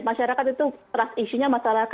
masyarakat itu trust issue nya